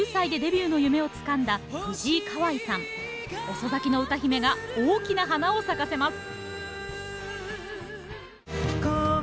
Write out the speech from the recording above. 遅咲きの歌姫が大きな花を咲かせます！